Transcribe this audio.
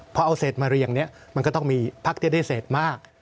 พอเอาเศษมาเรียงเนี่ยมันก็ต้องมีพักที่ได้เศษมาก